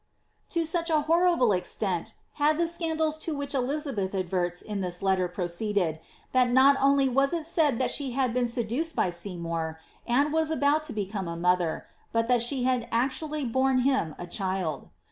''* To such a horrible extent had the scandals to which Elizabeth ad verts in this letter proceeded, that not only was it said that she had been seduced by Seymour, and was about to become a mother, but that she had actually borne him a child.